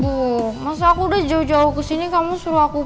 bu masa aku udah jauh jauh kesini kamu suruh aku